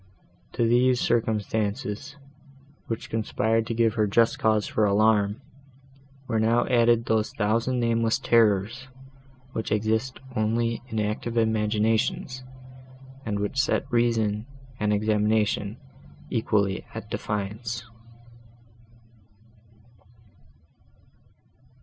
To these circumstances, which conspired to give her just cause for alarm, were now added those thousand nameless terrors, which exist only in active imaginations, and which set reason and examination equally at defiance.